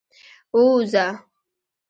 ووځه.